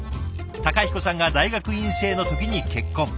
孝彦さんが大学院生の時に結婚。